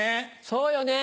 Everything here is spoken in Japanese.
そうよね。